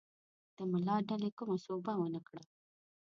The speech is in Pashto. د ملا ډلې کومه سوبه ونه کړه.